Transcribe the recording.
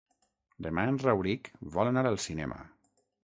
Demà en Rauric vol anar al cinema.